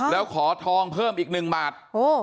แล้วขอทองเพิ่มอีก๑บาท